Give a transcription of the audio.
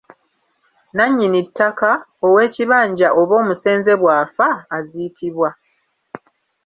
Nannyini ttaka, ow’ekibanja oba omusenze bw’afa aziikibwa.